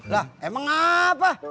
lah emang apa